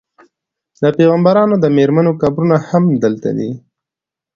د پیغمبرانو د میرمنو قبرونه هم دلته دي.